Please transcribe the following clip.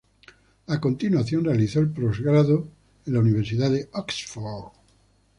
A continuación, realizó el posgrado en la Universidad de Oxford.